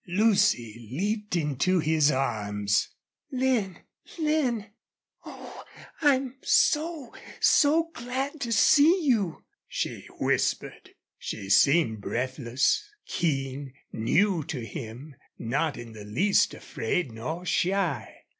Lucy leaped into his arms. "Lin! Lin! Oh, I'm so so glad to see you!" she whispered. She seemed breathless, keen, new to him, not in the least afraid nor shy.